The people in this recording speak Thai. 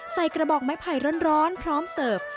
กระบอกไม้ไผ่ร้อนพร้อมเสิร์ฟ